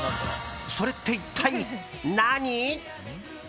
それって一体、何？